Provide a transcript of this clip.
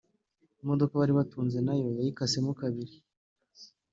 Imodoka bari batunze nayo yayikasemo kabiri